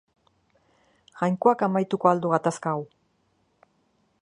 Jainkoak amaituko al du gatazka hau.